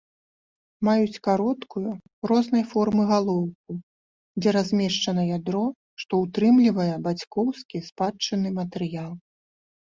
Маюць кароткую, рознай формы галоўку, дзе размешчана ядро, што ўтрымлівае бацькоўскі спадчынны матэрыял.